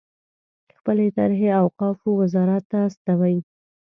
خپلې طرحې اوقافو وزارت ته استوي.